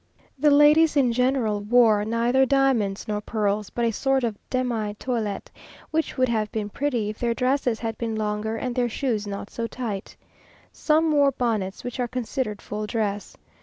The ladies in general wore neither diamonds nor pearls, but a sort of demi toilet, which would have been pretty if their dresses had been longer and their shoes not so tight. Some wore bonnets, which are considered full dress.